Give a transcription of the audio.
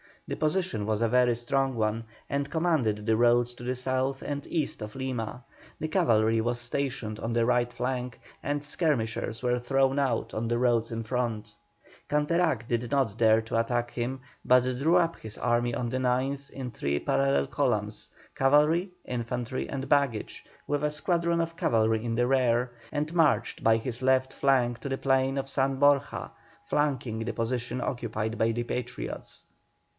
The position was a very strong one, and commanded the roads to the south and east of Lima. The cavalry was stationed on the right flank, and skirmishers were thrown out on the roads in front. Canterac did not dare to attack him, but drew up his army on the 9th in three parallel columns cavalry, infantry, and baggage with a squadron of cavalry in the rear, and marched by his left flank to the plain of San Borja, flanking the position occupied by the Patriots.